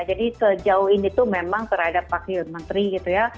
jadi sejauh ini tuh memang terhadap wakil menteri gitu ya